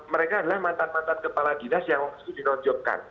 mereka adalah mantan mantan kepala dinas yang harus dinojokkan